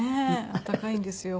温かいんですよ